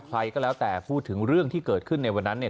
ใครก็แล้วแต่พูดถึงเรื่องที่เกิดขึ้นในวันนั้นเนี่ย